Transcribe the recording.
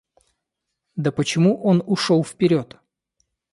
Да почему он ушел вперед?